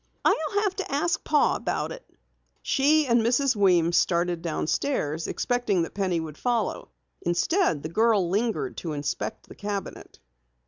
"I'll have to ask Pa about it." She and Mrs. Weems started downstairs, expecting that Penny would follow. Instead, the girl lingered to inspect the cabinet.